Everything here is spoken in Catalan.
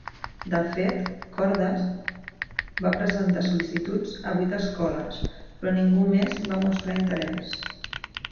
De fet, Cordes va presentar sol·licituds a vuit escoles, però ningú més va mostrar interès.